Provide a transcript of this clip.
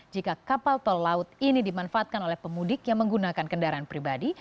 jika kapal tol laut ini dimanfaatkan oleh pemudik yang menggunakan kendaraan pribadi